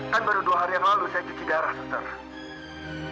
kan baru dua hari yang lalu saya cuci darah